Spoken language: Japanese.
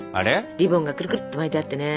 リボンがくるくるって巻いてあってね。